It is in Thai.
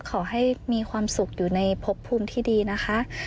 ขอให้มีความสุขอยู่ในพบภูมิที่ดีนะคะ